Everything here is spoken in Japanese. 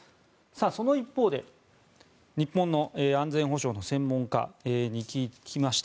その一方で、日本の安全保障の専門家に聞きました。